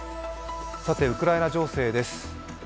ウクライナ情勢です。